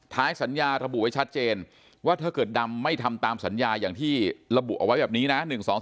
สัญญาระบุไว้ชัดเจนว่าถ้าเกิดดำไม่ทำตามสัญญาอย่างที่ระบุเอาไว้แบบนี้นะ